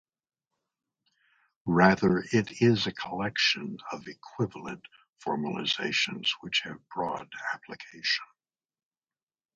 Rather it is a collection of equivalent formalisms which have broad application.